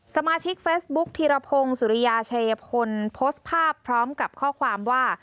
สมาชิกเฟซบุ๊คธีรพงศ์สุริยาชัยพลโพสต์ภาพพร้อมกับข้อความว่า